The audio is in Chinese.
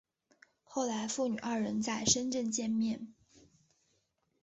后来父女二人在深圳见面。